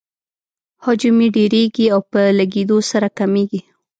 حجم یې ډیریږي او په لږیدو سره کمیږي.